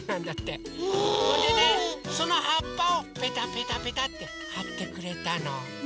それでねそのはっぱをペタペタペタってはってくれたの。